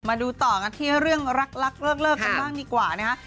มาดูต่อกันที่เรื่องรักเลิกกันบ้างดีกว่านะคะ